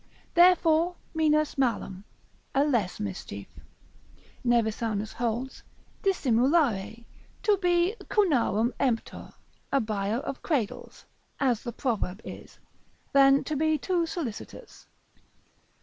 Therefore Minus malum, a less mischief, Nevisanus holds, dissimulare, to be Cunarum emptor, a buyer of cradles, as the proverb is, than to be too solicitous.